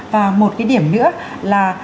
và một cái điểm nữa là